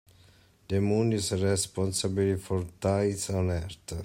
The moon is responsible for tides on earth.